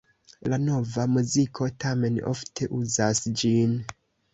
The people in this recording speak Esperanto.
La Nova muziko tamen ofte uzas ĝin.